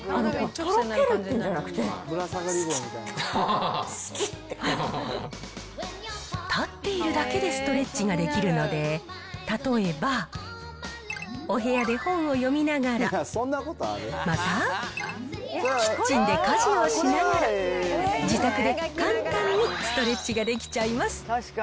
とろけるっていうんじゃなくて、すきって、立っているだけでストレッチができるので、例えばお部屋で本を読みながら、また、キッチンで家事をしながら、自宅で簡単にストレッチができちゃいます。